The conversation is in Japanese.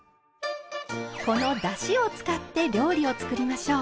このだしを使って料理を作りましょう。